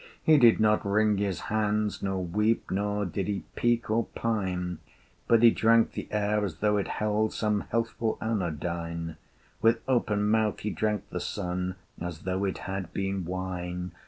He did not wring his hands nor weep, Nor did he peek or pine, But he drank the air as though it held Some healthful anodyne; With open mouth he drank the sun As though it had been wine!